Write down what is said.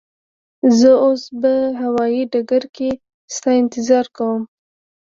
زه اوس به هوایی ډګر کی ستا انتظار کوم.